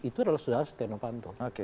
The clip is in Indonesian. itu adalah saudara setia novanto